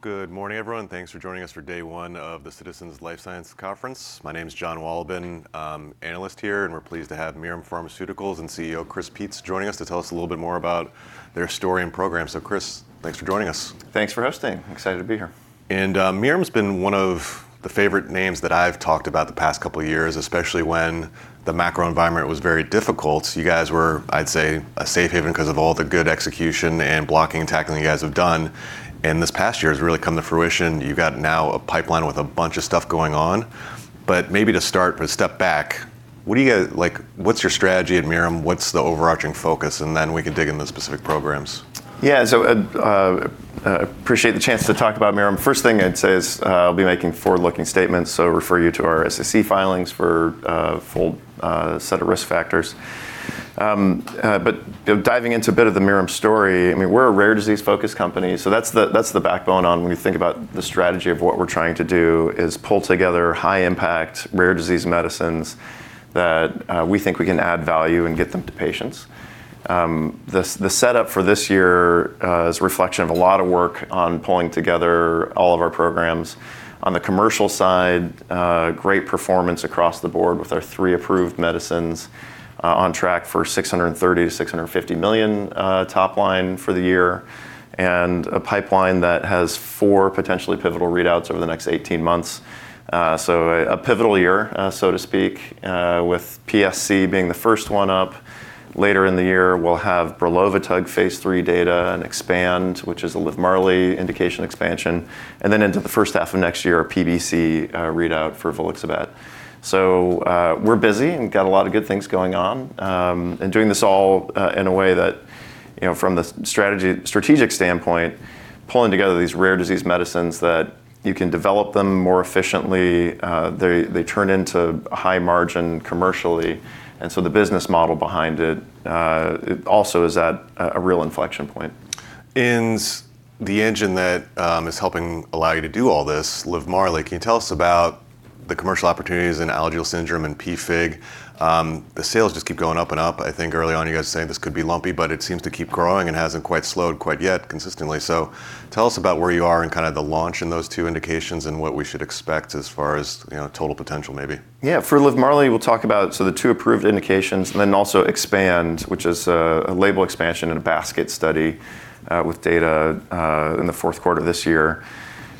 Good morning, everyone. Thanks for joining us for day one of the Citizens Life Sciences Conference. My name is John Wahlberg, analyst here, and we're pleased to have Mirum Pharmaceuticals and CEO Chris Peetz joining us to tell us a little bit more about their story and program. Chris, thanks for joining us. Thanks for hosting. Excited to be here. Mirum's been one of the favorite names that I've talked about the past couple of years, especially when the macro environment was very difficult. You guys were, I'd say, a safe haven 'cause of all the good execution and blocking and tackling you guys have done, and this past year has really come to fruition. You've got now a pipeline with a bunch of stuff going on. Maybe to start with a step back, what do you guys like, what's your strategy at Mirum? What's the overarching focus? Then we can dig into specific programs. Yeah, I appreciate the chance to talk about Mirum. First thing I'd say is, I'll be making forward-looking statements, so refer you to our SEC filings for a full set of risk factors. Diving into a bit of the Mirum story, I mean, we're a rare disease-focused company, so that's the backbone on when you think about the strategy of what we're trying to do is pull together high impact, rare disease medicines that we think we can add value and get them to patients. The setup for this year is a reflection of a lot of work on pulling together all of our programs. On the commercial side, great performance across the board with our three approved medicines on track for $630-650 million top line for the year, and a pipeline that has four potentially pivotal readouts over the next 18 months. A pivotal year, so to speak, with PSC being the first one up. Later in the year, we'll have bulevirtide phase III data and EXPAND, which is a LIVMARLI indication expansion, and then into the first half of next year, PBC readout for volixibat. We're busy and got a lot of good things going on, and doing this all in a way that, you know, from the strategic standpoint, pulling together these rare disease medicines that you can develop them more efficiently, they turn into a high margin commercially. The business model behind it also is at a real inflection point. In the engine that is helping allow you to do all this, LIVMARLI, can you tell us about the commercial opportunities in Alagille syndrome and PFIC? The sales just keep going up and up. I think early on you guys were saying this could be lumpy, but it seems to keep growing and hasn't quite slowed quite yet consistently. Tell us about where you are in kind of the launch in those two indications and what we should expect as far as, you know, total potential maybe. Yeah. For LIVMARLI, we'll talk about, so the two approved indications and then also EXPAND, which is a label expansion and a basket study with data in the fourth quarter of this year.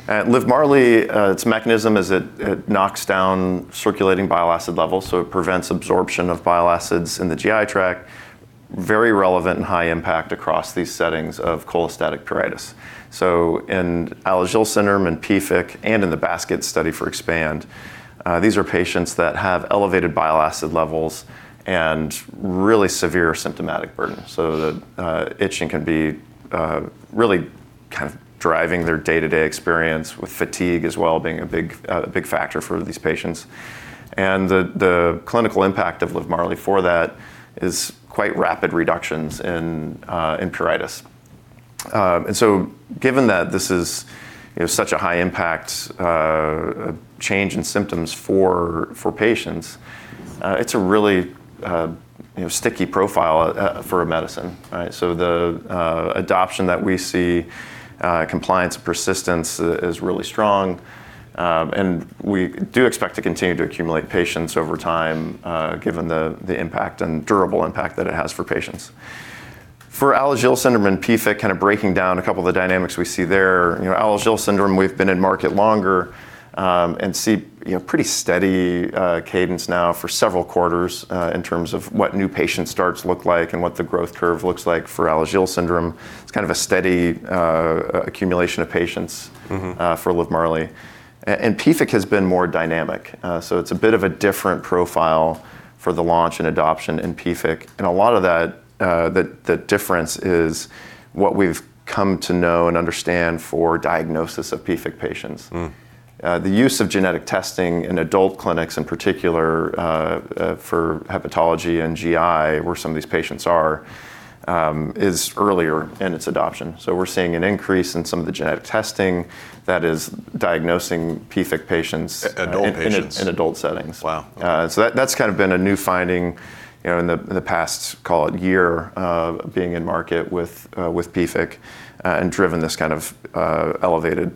LIVMARLI, its mechanism is it knocks down circulating bile acid levels, so it prevents absorption of bile acids in the GI tract, very relevant and high impact across these settings of cholestatic pruritus. In Alagille syndrome, in PFIC, and in the basket study for EXPAND, these are patients that have elevated bile acid levels and really severe symptomatic burden. The itching can be really kind of driving their day-to-day experience with fatigue as well being a big factor for these patients. The clinical impact of LIVMARLI for that is quite rapid reductions in pruritus. Given that this is, you know, such a high impact change in symptoms for patients, it's a really, you know, sticky profile for a medicine, right? The adoption that we see, compliance persistence is really strong, and we do expect to continue to accumulate patients over time, given the impact and durable impact that it has for patients. For Alagille syndrome and PFIC, kind of breaking down a couple of the dynamics we see there. You know, Alagille syndrome, we've been in market longer, and see, you know, pretty steady cadence now for several quarters, in terms of what new patient starts look like and what the growth curve looks like for Alagille syndrome. It's kind of a steady accumulation of patients. Mm-hmm... for LIVMARLI. PFIC has been more dynamic. It's a bit of a different profile for the launch and adoption in PFIC. A lot of that, the difference is what we've come to know and understand for diagnosis of PFIC patients. Mm. The use of genetic testing in adult clinics, in particular, for hepatology and GI, where some of these patients are, is earlier in its adoption. We're seeing an increase in some of the genetic testing that is diagnosing PFIC patients. Adult patients. in adult settings. Wow. That's kind of been a new finding, you know, in the past, call it year of being in market with PFIC, and driven this kind of elevated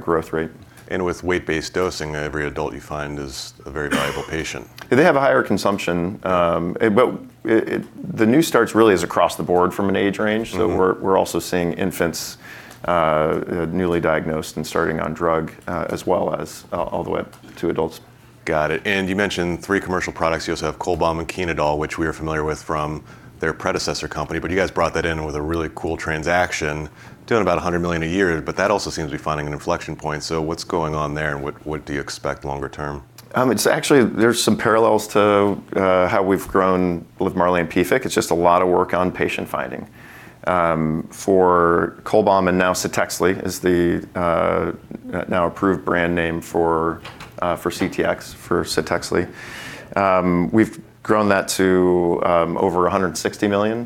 growth rate. With weight-based dosing, every adult you find is a very valuable patient. They have a higher consumption, but the new starts really is across the board from an age range. Mm-hmm. We're also seeing infants newly diagnosed and starting on drug as well as all the way up to adults. Got it. You mentioned three commercial products. You also have Cholbam and Chenodal, which we are familiar with from their predecessor company. You guys brought that in with a really cool transaction, doing about $100 million a year. That also seems to be finding an inflection point. What's going on there, and what do you expect longer term? It's actually, there's some parallels to how we've grown with LIVMARLI and PFIC. It's just a lot of work on patient finding. For Cholbam and now CTEXLI is the now approved brand name for CTX. We've grown that to over $160 million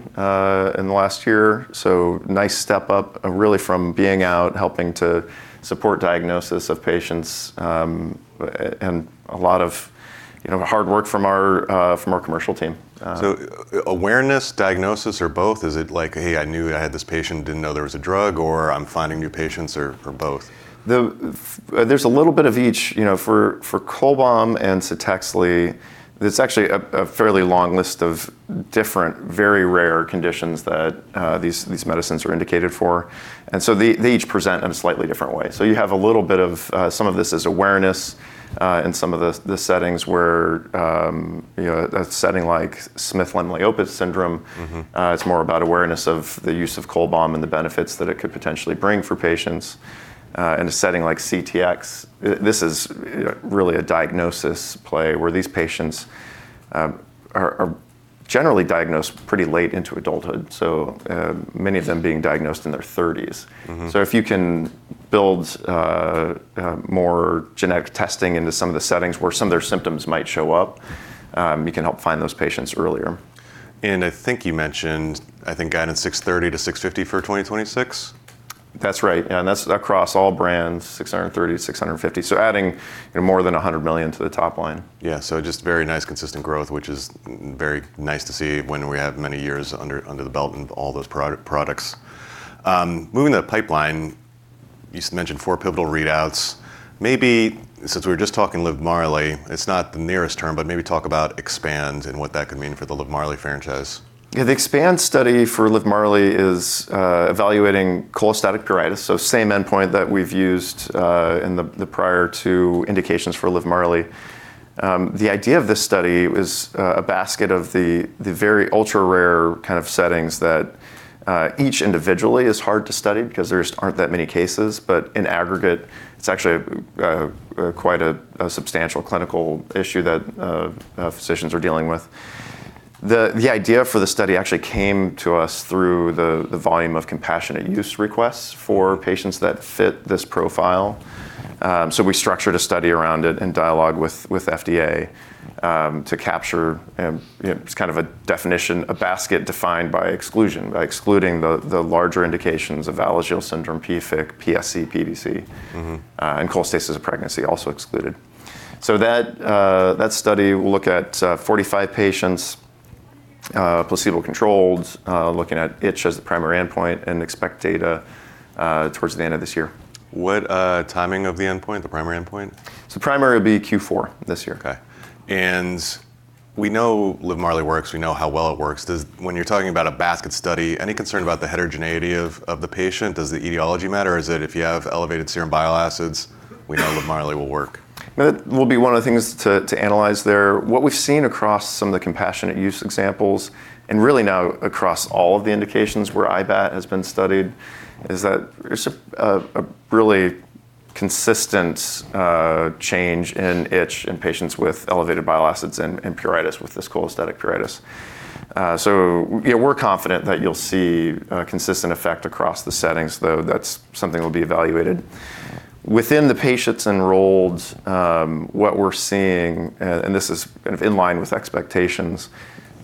in the last year. Nice step up really from being out helping to support diagnosis of patients and a lot of, you know, hard work from our commercial team. Awareness, diagnosis, or both? Is it like, "Hey, I knew I had this patient, didn't know there was a drug," or, "I'm finding new patients," or both? There's a little bit of each. You know, for Cholbam and CTEXLI, it's actually a fairly long list of different very rare conditions that these medicines are indicated for, and so they each present in a slightly different way. You have a little bit of some of this is awareness, and some of the settings where you know, a setting like Smith-Lemli-Opitz syndrome. Mm-hmm. It's more about awareness of the use of Cholbam and the benefits that it could potentially bring for patients. In a setting like CTX, this is really a diagnosis play where these patients are generally diagnosed pretty late into adulthood, so many of them being diagnosed in their 30s. Mm-hmm. If you can build more genetic testing into some of the settings where some of their symptoms might show up, you can help find those patients earlier. I think you mentioned, I think, guidance $630-650 for 2026? That's right, and that's across all brands, 630-650, so adding more than $100 million to the top line. Just very nice consistent growth, which is very nice to see when we have many years under the belt and all those products. Moving to the pipeline, you mentioned four pivotal readouts. Maybe since we were just talking LIVMARLI, it's not the nearest term, but maybe talk about EXPAND and what that could mean for the LIVMARLI franchise. Yeah, the EXPAND study for LIVMARLI is evaluating cholestatic pruritus, so same endpoint that we've used in the prior two indications for LIVMARLI. The idea of this study was a basket of the very ultra-rare kind of settings that each individually is hard to study because there just aren't that many cases, but in aggregate, it's actually quite a substantial clinical issue that physicians are dealing with. The idea for the study actually came to us through the volume of compassionate use requests for patients that fit this profile. So we structured a study around it in dialogue with FDA to capture you know, just kind of a definition, a basket defined by exclusion. By excluding the larger indications of Alagille syndrome, PFIC, PSC, PBC. Mm-hmm. Cholestasis of pregnancy also excluded. That study will look at 45 patients, placebo-controlled, looking at itch as the primary endpoint and expect data towards the end of this year. What, timing of the endpoint? The primary endpoint? Primary will be Q4 this year. Okay. We know LIVMARLI works. We know how well it works. When you're talking about a basket study, any concern about the heterogeneity of the patient? Does the etiology matter, or is it if you have elevated serum bile acids, we know LIVMARLI will work? That will be one of the things to analyze there. What we've seen across some of the compassionate use examples and really now across all of the indications where IBAT has been studied is that there's a really consistent change in itch in patients with elevated bile acids and in pruritus with this cholestatic pruritus. Yeah, we're confident that you'll see a consistent effect across the settings, though that's something that'll be evaluated. Within the patients enrolled, what we're seeing and this is kind of in line with expectations,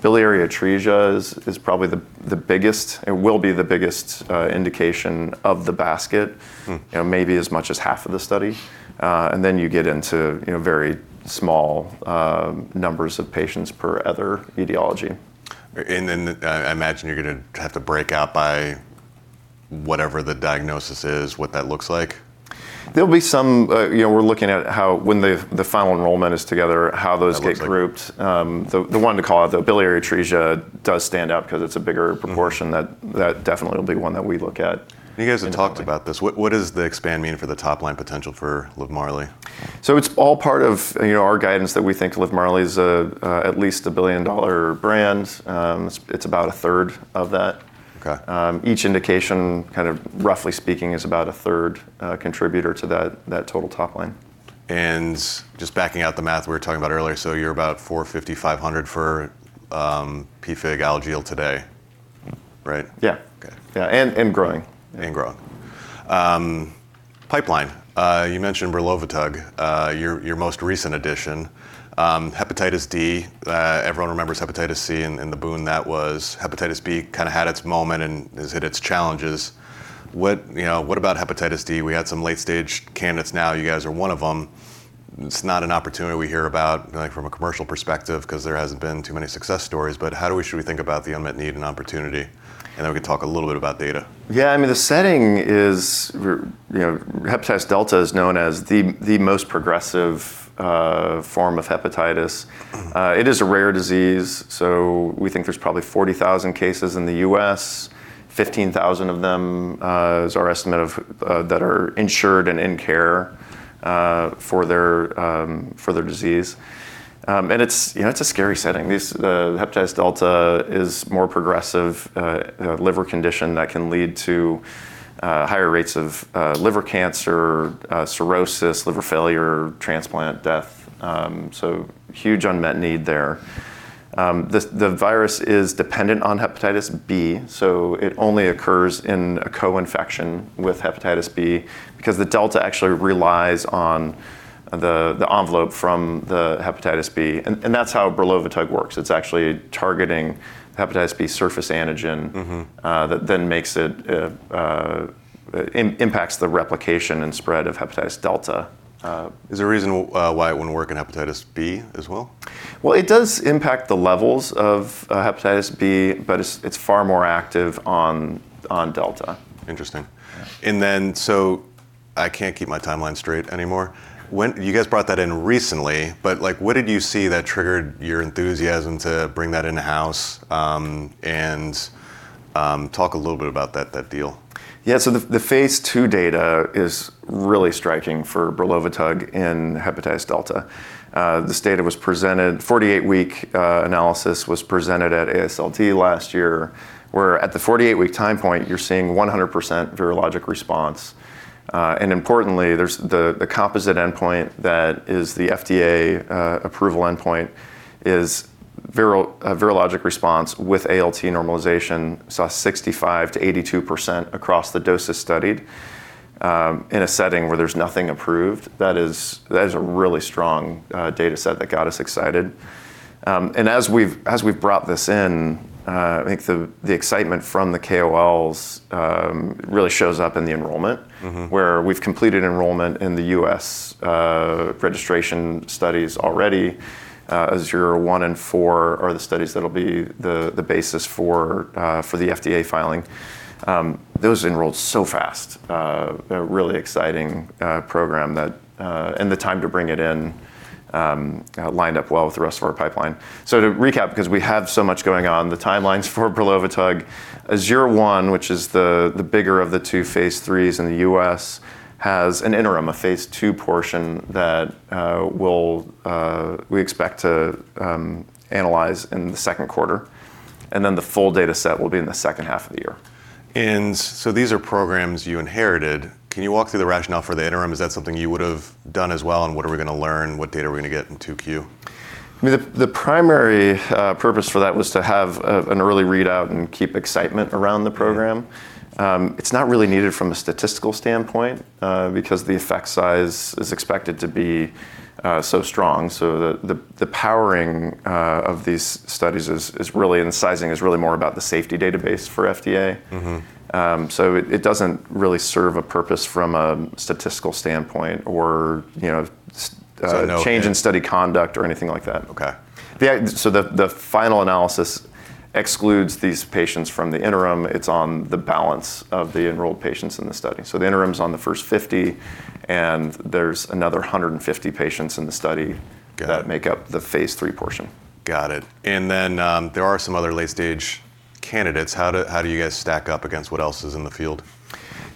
biliary atresia is probably the biggest and will be the biggest indication of the basket. Hmm. You know, maybe as much as half of the study. You get into, you know, very small numbers of patients per other etiology. I imagine you're gonna have to break out by whatever the diagnosis is, what that looks like. There'll be some. You know, we're looking at how when the final enrollment is together, how those get grouped. That looks like. The one to call out, the biliary atresia does stand out because it's a bigger proportion. Mm-hmm. That definitely will be one that we look at. You guys have talked about this. What does the EXPAND mean for the top line potential for LIVMARLI? It's all part of, you know, our guidance that we think LIVMARLI is a billion-dollar brand. It's about a third of that. Okay. Each indication kind of roughly speaking is about a third contributor to that total top line. Just backing out the math we were talking about earlier, so you're about 450-500 for PFIC, Alagille today, right? Yeah. Okay. Yeah. Growing. Growing pipeline. You mentioned bulevirtide, your most recent addition. Hepatitis D, everyone remembers Hepatitis C and the boon that was. Hepatitis B kinda had its moment and has hit its challenges. What about Hepatitis D? We had some late stage candidates. Now you guys are one of them. It's not an opportunity we hear about, like, from a commercial perspective because there hasn't been too many success stories, but how should we think about the unmet need and opportunity? Then we can talk a little bit about data. Yeah. I mean, the setting is. You know, Hepatitis D is known as the most progressive form of hepatitis. It is a rare disease, so we think there's probably 40,000 cases in the U.S. 15,000 of them is our estimate of that are insured and in care for their disease. It's, you know, a scary setting. Hepatitis D is more progressive liver condition that can lead to higher rates of liver cancer, cirrhosis, liver failure, transplant, death, so huge unmet need there. The virus is dependent on Hepatitis B, so it only occurs in a co-infection with Hepatitis B because the delta actually relies on the envelope from the Hepatitis B. That's how bulevirtide works. It's actually targeting the hepatitis B surface antigen. Mm-hmm That then makes it impacts the replication and spread of Hepatitis D. Is there a reason why it wouldn't work in Hepatitis B as well? Well, it does impact the levels of hepatitis B, but it's far more active on delta. Interesting. I can't keep my timeline straight anymore. You guys brought that in recently, but, like, what did you see that triggered your enthusiasm to bring that in-house? Talk a little bit about that deal. Yeah. The phase II data is really striking for bulevirtide in Hepatitis D. This data was presented. The 48-week analysis was presented at AASLD last year, where at the 48-week time point, you're seeing 100% virologic response. Importantly, there's the composite endpoint that is the FDA approval endpoint is virologic response with ALT normalization, saw 65%-82% across the doses studied, in a setting where there's nothing approved. That is a really strong data set that got us excited. As we've brought this in, I think the excitement from the KOLs really shows up in the enrollment. Mm-hmm where we've completed enrollment in the U.S., registration studies already. AZURE-1 and AZURE-4 are the studies that'll be the basis for the FDA filing. Those enrolled so fast. A really exciting program, and the time to bring it in lined up well with the rest of our pipeline. To recap, because we have so much going on, the timelines for bulevirtide AZURE-1, which is the bigger of the 2 phase IIIs in the U.S., has an interim, a phase II portion that we expect to analyze in the second quarter, and then the full data set will be in the second half of the year. These are programs you inherited. Can you walk through the rationale for the interim? Is that something you would have done as well, and what are we gonna learn? What data are we gonna get in 2Q? I mean, the primary purpose for that was to have an early readout and keep excitement around the program. Yeah. It's not really needed from a statistical standpoint, because the effect size is expected to be so strong. The powering of these studies is really, and the sizing is really more about the safety database for FDA. Mm-hmm. It doesn't really serve a purpose from a statistical standpoint or, you know. It's a no change. Change in study conduct or anything like that. Okay. The final analysis excludes these patients from the interim. It's on the balance of the enrolled patients in the study. The interim is on the first 50 and there's another 150 patients in the study. Got it. that make up the phase III portion. Got it. There are some other late-stage candidates. How do you guys stack up against what else is in the field?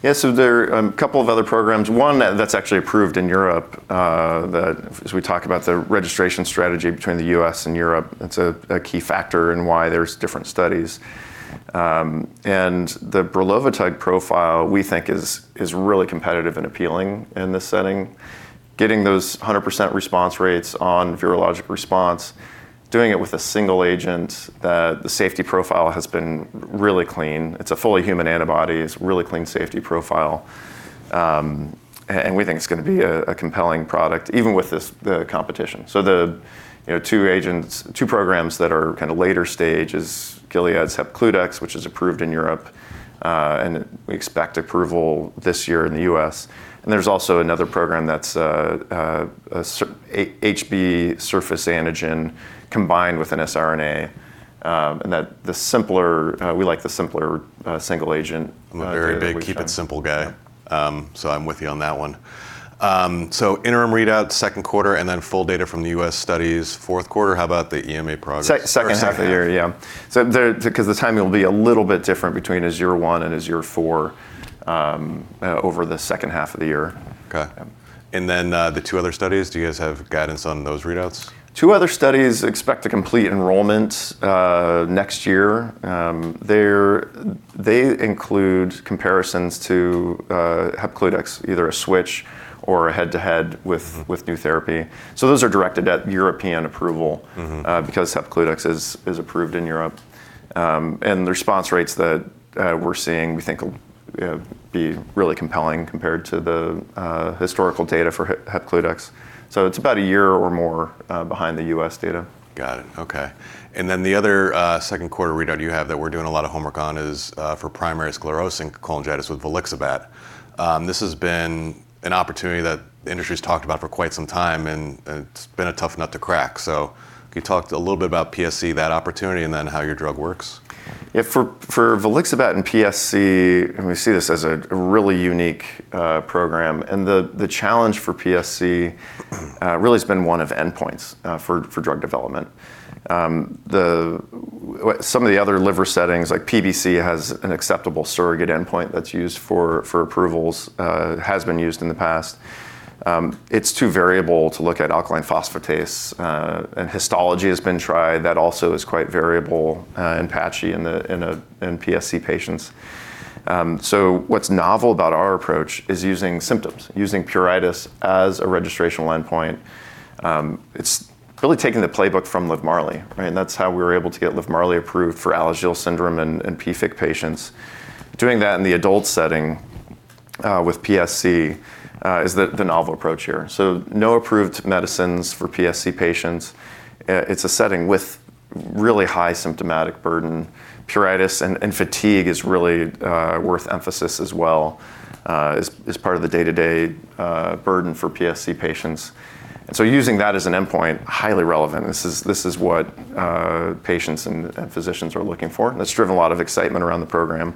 Yeah. There are a couple of other programs. One that's actually approved in Europe, that as we talk about the registration strategy between the US and Europe, it's a key factor in why there's different studies. And the bulevirtide profile we think is really competitive and appealing in this setting. Getting those 100% response rates on virologic response, doing it with a single agent that the safety profile has been really clean. It's a fully human antibody. It's really clean safety profile. And we think it's gonna be a compelling product even with this, the competition. The, you know, two agents, two programs that are kinda later stage is Gilead's Hepcludex, which is approved in Europe, and we expect approval this year in the US. There's also another program that's HB surface antigen combined with an siRNA, and we like the simpler single agent approach that we've taken. I'm a very big keep-it-simple guy. I'm with you on that one. Interim readout second quarter and then full data from the U.S. study is fourth quarter. How about the EMA progress? Second half of the year. Yeah. 'Cause the timing will be a little bit different between AZURE-1 and AZURE-4, over the second half of the year. Okay. Yeah. The two other studies, do you guys have guidance on those readouts? Two other studies expect to complete enrollment next year. They include comparisons to Hepcludex, either a switch or a head-to-head with new therapy. Those are directed at European approval. Mm-hmm Because Hepcludex is approved in Europe. The response rates that we're seeing we think will be really compelling compared to the historical data for Hepcludex. It's about a year or more behind the U.S. data. Got it. Okay. The other second quarter readout you have that we're doing a lot of homework on is for primary sclerosing cholangitis with volixibat. This has been an opportunity that the industry's talked about for quite some time, and it's been a tough nut to crack. Can you talk a little bit about PSC, that opportunity, and then how your drug works? Yeah. For volixibat and PSC and we see this as a really unique program. The challenge for PSC really has been one of endpoints for drug development. Some of the other liver settings like PBC has an acceptable surrogate endpoint that's used for approvals has been used in the past. It's too variable to look at alkaline phosphatase, and histology has been tried. That also is quite variable and patchy in the PSC patients. What's novel about our approach is using symptoms, using pruritus as a registration endpoint. It's really taking the playbook from LIVMARLI, right? That's how we were able to get LIVMARLI approved for Alagille syndrome in PFIC patients. Doing that in the adult setting with PSC is the novel approach here. No approved medicines for PSC patients. It's a setting with really high symptomatic burden. Pruritus and fatigue is really worth emphasis as well, as part of the day-to-day burden for PSC patients. Using that as an endpoint, highly relevant. This is what patients and physicians are looking for, and it's driven a lot of excitement around the program.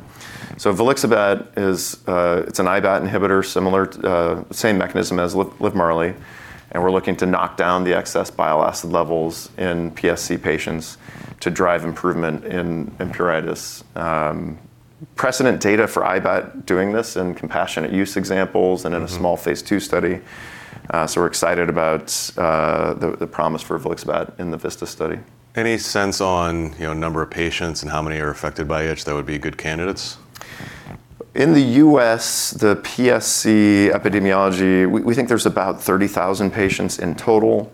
Volixibat is an IBAT inhibitor, similar, the same mechanism as LIVMARLI, and we're looking to knock down the excess bile acid levels in PSC patients to drive improvement in pruritus. Precedent data for IBAT doing this in compassionate use examples. Mm-hmm in a small phase II study, so we're excited about the promise for volixibat in the VISTAS study. Any sense on, you know, number of patients and how many are affected by itch that would be good candidates? In the U.S., the PSC epidemiology, we think there's about 30,000 patients in total.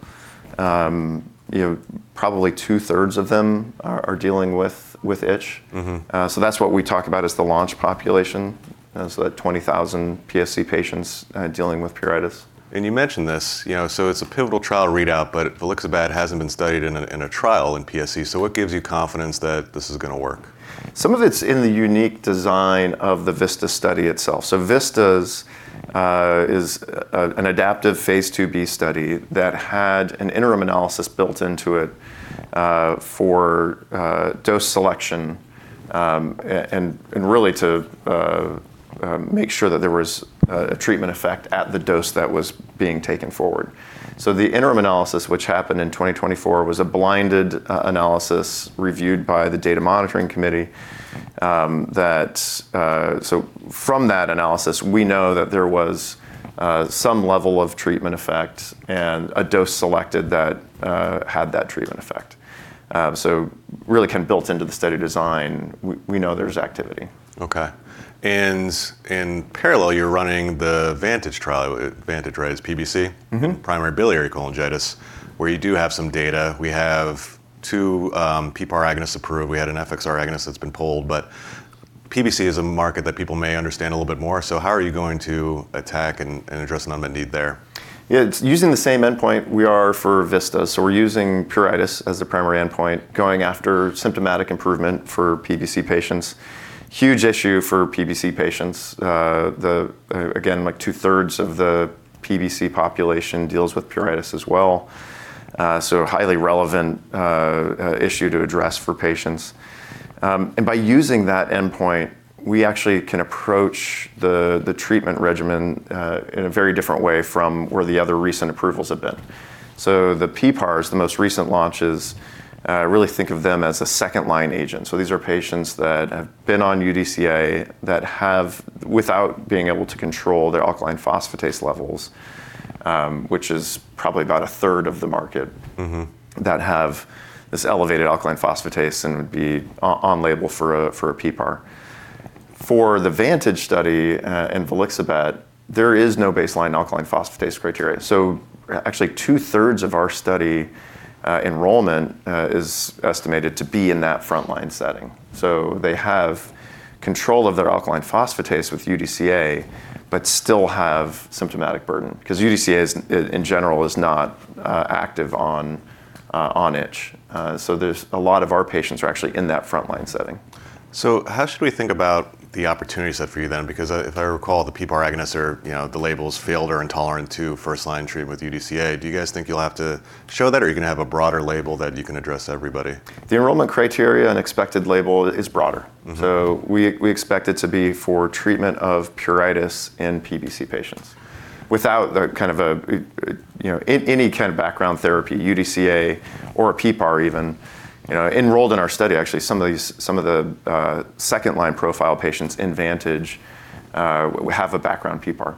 You know, probably two-thirds of them are dealing with itch. Mm-hmm. That's what we talk about as the launch population, so that 20,000 PSC patients dealing with pruritus. You mentioned this, you know, so it's a pivotal trial readout, but Volixibat hasn't been studied in a trial in PSC, so what gives you confidence that this is gonna work? Some of it's in the unique design of the VISTAS study itself. VISTAS is an adaptive phase IIb study that had an interim analysis built into it for dose selection, and really to make sure that there was a treatment effect at the dose that was being taken forward. The interim analysis, which happened in 2024, was a blinded analysis reviewed by the data monitoring committee, that from that analysis, we know that there was some level of treatment effect and a dose selected that had that treatment effect. Really kind of built into the study design, we know there's activity. Okay. In parallel, you're running the VANTAGE trial. VANTAGE, right, is PBC. Mm-hmm. Primary biliary cholangitis, where you do have some data. We have two PPAR agonists approved. We had an FXR agonist that's been pulled. PBC is a market that people may understand a little bit more, so how are you going to attack and address an unmet need there? Yeah, it's using the same endpoint we are for VISTAS, so we're using pruritus as the primary endpoint, going after symptomatic improvement for PBC patients. Huge issue for PBC patients. Again, like, two-thirds of the PBC population deals with pruritus as well, so a highly relevant issue to address for patients. By using that endpoint, we actually can approach the treatment regimen in a very different way from where the other recent approvals have been. The PPARs, the most recent launches, I really think of them as a second-line agent, so these are patients that have been on UDCA without being able to control their alkaline phosphatase levels, which is probably about a third of the market- Mm-hmm that have this elevated alkaline phosphatase and would be on-label for a PPAR. For the VANTAGE study and volixibat, there is no baseline alkaline phosphatase criteria, so actually two-thirds of our study enrollment is estimated to be in that front-line setting. They have control of their alkaline phosphatase with UDCA but still have symptomatic burden, because UDCA is, in general, not active on itch. There's a lot of our patients are actually in that front-line setting. How should we think about the opportunity set for you then? Because I, if I recall, the PPAR agonists are, you know, the label for failed or intolerant to first-line treatment with UDCA. Do you guys think you'll have to show that, or are you gonna have a broader label that you can address everybody? The enrollment criteria and expected label is broader. Mm-hmm. We expect it to be for treatment of pruritus in PBC patients without the kind of, you know, any kind of background therapy, UDCA or a PPAR even. You know, enrolled in our study actually, some of the second-line profile patients in VANTAGE who have a background PPAR,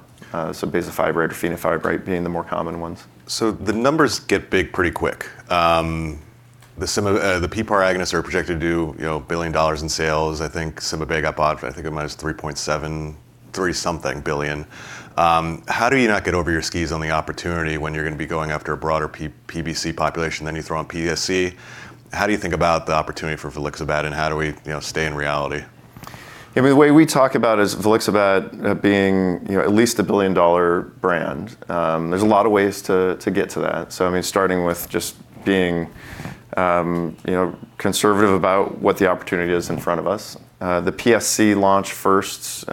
so bezafibrate or fenofibrate being the more common ones. The numbers get big pretty quick. The PPAR agonists are projected to do, you know, $1 billion in sales. I think seladelpar, it might have been 3.7, 3-something billion. How do you not get over your skis on the opportunity when you're gonna be going after a broader PBC population, then you throw in PSC? How do you think about the opportunity for volixibat, and how do we, you know, stay in reality? I mean, the way we talk about is volixibat, you know, being at least a billion-dollar brand. There's a lot of ways to get to that. I mean, starting with just being, you know, conservative about what the opportunity is in front of us. The PSC launch first,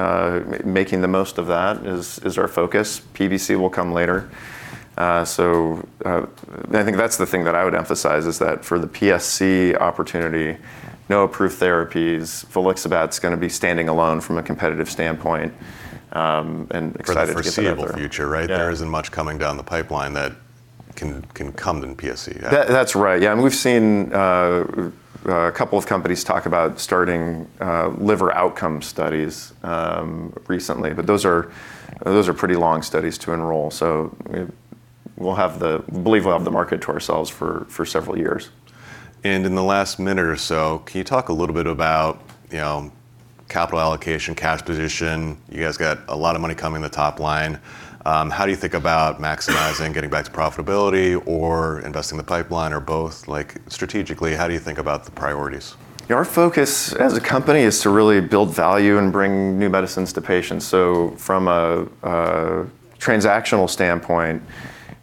making the most of that is our focus. PBC will come later. I think that's the thing that I would emphasize is that for the PSC opportunity, no approved therapies, volixibat's gonna be standing alone from a competitive standpoint, and excited to get that out there. For the foreseeable future, right? Yeah. There isn't much coming down the pipeline that can come in PSC. That, that's right, yeah. We've seen a couple of companies talk about starting liver outcome studies recently, but those are pretty long studies to enroll, so we believe we'll have the market to ourselves for several years. In the last minute or so, can you talk a little bit about, you know, capital allocation, cash position? You guys got a lot of money coming in the top line. How do you think about maximizing, getting back to profitability or investing the pipeline or both? Like, strategically, how do you think about the priorities? Our focus as a company is to really build value and bring new medicines to patients. From a transactional standpoint,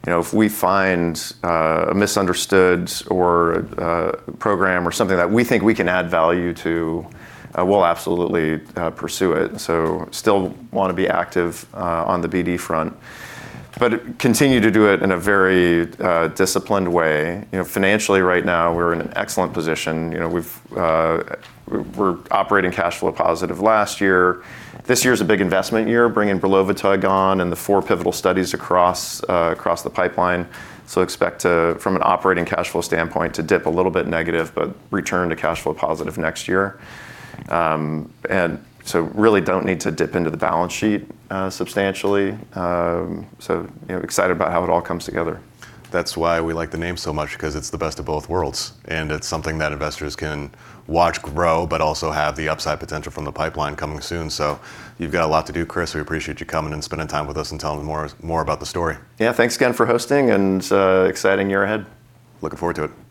you know, if we find a misunderstood or program or something that we think we can add value to, we'll absolutely pursue it. Still wanna be active on the BD front. Continue to do it in a very disciplined way. You know, financially right now, we're in an excellent position. You know, we're operating cash flow positive last year. This year's a big investment year, bringing bulevirtide and the four pivotal studies across the pipeline. Expect from an operating cash flow standpoint to dip a little bit negative but return to cash flow positive next year. Really don't need to dip into the balance sheet substantially. You know, excited about how it all comes together. That's why we like the name so much, because it's the best of both worlds, and it's something that investors can watch grow but also have the upside potential from the pipeline coming soon. You've got a lot to do, Chris. We appreciate you coming and spending time with us and telling more about the story. Yeah. Thanks again for hosting and exciting year ahead. Looking forward to it.